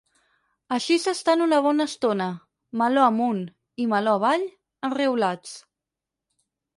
Així s'estan una bona estona, meló amunt i meló avall, enriolats.